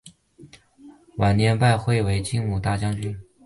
晚年拜为金吾大将军。